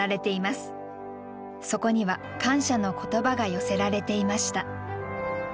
そこには感謝の言葉が寄せられていました。